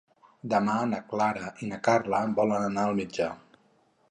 Demà na Clara i na Carla volen anar al metge.